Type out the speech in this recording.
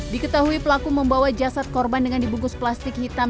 diketahui pelaku membawa jasad korban dengan dibungkus plastik hitam